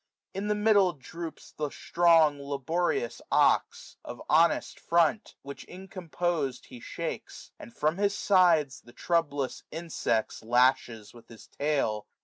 In the middle droops The strong laborious ox, of honest front, 490 Which incompos'd he shakes ; and from his sides The troublous insects lashes with his tail.